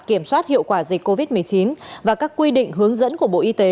kiểm soát hiệu quả dịch covid một mươi chín và các quy định hướng dẫn của bộ y tế